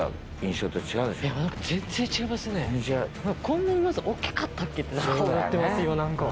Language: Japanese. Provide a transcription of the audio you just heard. こんなにまず大きかったっけ？って思ってますよなんか。